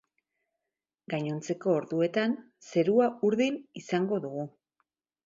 Gainontzeko orduetan zerua urdin izango dugu.